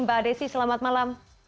mbak desi selamat malam